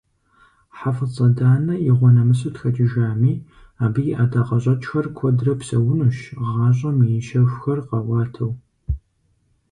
ХьэфӀыцӀэ Данэ игъуэнэмысу тхэкӀыжами, абы и ӀэдакъэщӀэкӀхэр куэдрэ псэунущ гъащӀэм и щэхухэр къаӀуатэу.